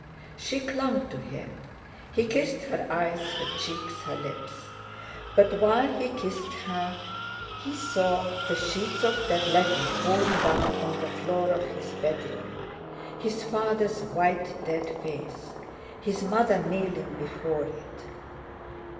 She clung to him. He kissed her eyes, her cheeks, her lips. But while he kissed her he saw, the sheets of that letter fallen down on the floor of his bedroom—his father's white dead face—his mother kneeling before it.